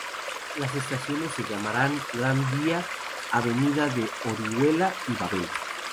Las estaciones se llamarán: Gran Vía, Avenida de Orihuela y Babel.